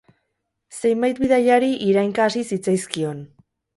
Zenbait bidaiari irainka hasi zitzaizkion.